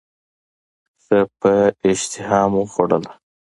ښه په اشتهامو وخوړله.